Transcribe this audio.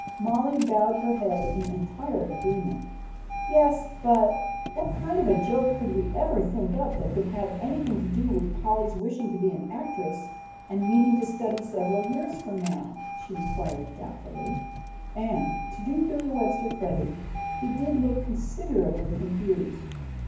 Mollie bowed her head in entire agreement. "Yes, but what kind of a joke could we ever think up that could have anything to do with Polly's wishing to be an actress and meaning to study several years from now?" she inquired doubtfully. And to do Billy Webster credit he did look considerably confused.